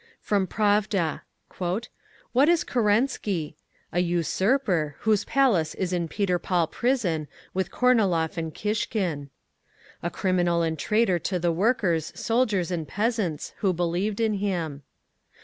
_From Pravda: "What is Kerensky? "A usurper, whose place is in Peter Paul prison, with Kornilov and Kishkin. "A criminal and a traitor to the workers, soldiers and peasants, who believed in him.